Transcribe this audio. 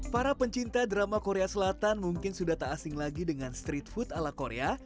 para pencinta drama korea selatan mungkin sudah tak asing lagi dengan street food ala korea